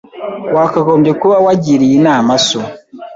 Wakagombye kuba wagiriye inama so.